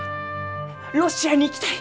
ロシアに行きたい！